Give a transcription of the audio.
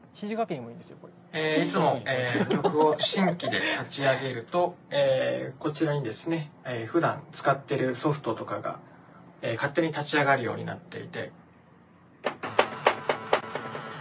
いつも曲を新規で立ち上げるとこちらにですねふだん使ってるソフトとかが勝手に立ち上がるようになっていて。